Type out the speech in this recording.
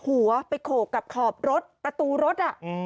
หัวไปโขกกับขอบรถประตูรถ